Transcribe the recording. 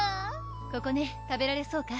ここね食べられそうか？